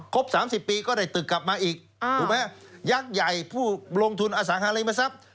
๓๐ปีก็ได้ตึกกลับมาอีกถูกไหมฮะยักษ์ใหญ่ผู้ลงทุนอสังหาริมทรัพย์